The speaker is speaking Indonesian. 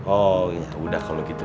oh ya udah kalau gitu